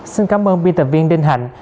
xin cảm ơn biên tập viên đinh hạnh